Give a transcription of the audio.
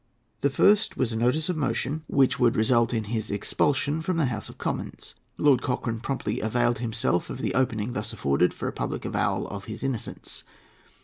The first was a notice of motion which would result in his expulsion from the House of Commons. Lord Cochrane promptly availed himself of the opening thus afforded for a public avowal of his innocence.